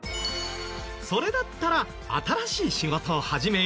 それだったら新しい仕事を始めよう！